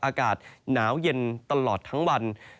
อากาศหนาวเย็นตลอดทั้งวัน